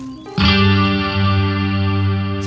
saya di tasnya